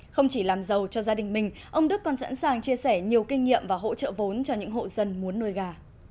không chỉ làm giàu cho gia đình mình ông đức còn sẵn sàng chia sẻ nhiều kinh nghiệm và hỗ trợ vốn cho những hộ dân muốn nuôi gà